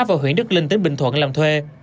và huyện đức linh tỉnh bình thuận làm thuê